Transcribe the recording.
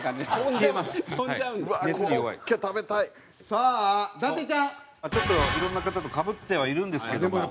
さあ伊達ちゃん。ちょっといろんな方とかぶってはいるんですけども。